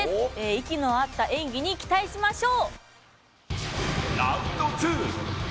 息の合った演技に期待しましょう。